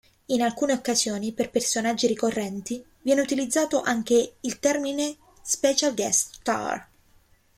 In alcune occasioni, per personaggi ricorrenti, viene utilizzato anche il termine special guest star.